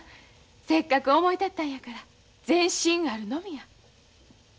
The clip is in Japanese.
せっかく思い立ったんやから前進あるのみや。